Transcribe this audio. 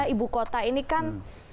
ibu kota ini kan